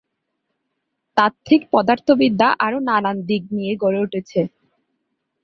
তাত্ত্বিক পদার্থবিদ্যা আরো নানান দিক নিয়ে গড়ে উঠেছে।